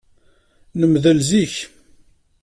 Nemdel zik.